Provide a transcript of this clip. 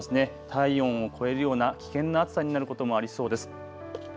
体温を超えるような危険な暑さになることもありそうです。